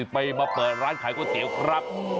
ไปมาเปิดร้านขายก๋วยเตี๋ยวครับ